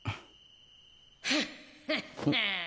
・フッフッフ。